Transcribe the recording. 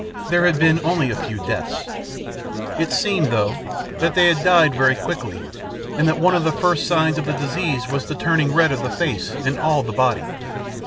There had been only a few deaths. It seemed, though, that they had died very quickly, and that one of the first signs of the disease was the turning red of the face and all the body.